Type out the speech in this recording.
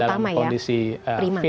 dalam kondisi fit